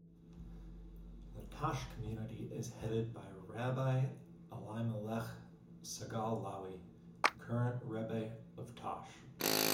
The Tosh community is headed by Rabbi Elimelech Segal-Lowy, the current Rebbe of Tosh.